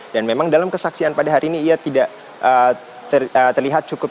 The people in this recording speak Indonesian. dan memang dalam kesaksian pada hari ini ia tidak terlihat cukup